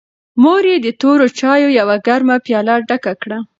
مور یې د تورو چایو یوه ګرمه پیاله ډکه کړه.